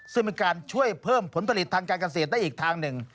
ซึ่งเป็นการช่วยเพิ่มผลผลิตทางการเกษตรได้อีกทางหนึ่ง